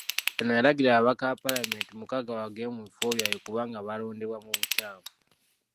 Eno yalagira ababaka ba Paalamenti mukaaga bagobwe mu bifo byabwe kubanga baalondebwa mu bukyamu.